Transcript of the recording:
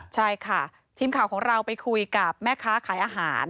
ใช่ค่ะทีมข่าวของเราไปคุยกับแม่ค้าขายอาหาร